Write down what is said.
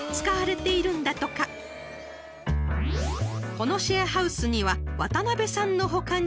［このシェアハウスには渡邊さんの他に］